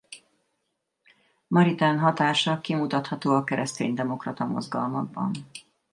Maritain hatása kimutatható a kereszténydemokrata mozgalmakban.